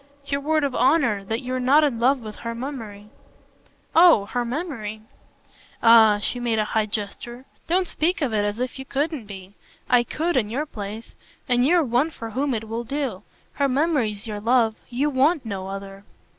"Your word of honour that you're not in love with her memory." "Oh her memory!" "Ah" she made a high gesture "don't speak of it as if you couldn't be. I could in your place; and you're one for whom it will do. Her memory's your love. You WANT no other."